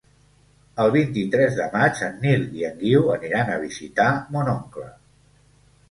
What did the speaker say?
El vint-i-tres de maig en Nil i en Guiu aniran a visitar mon oncle.